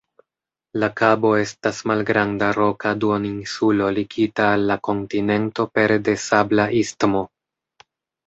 La kabo estas malgranda roka duoninsulo ligita al la kontinento pere de sabla istmo.